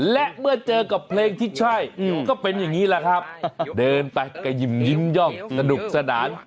และเมื่อเจอกับเพลงที่ใช่ก็เป็นอย่างนี้แหละครับเดินไปก็ยิ้มย่องสนุกสนาน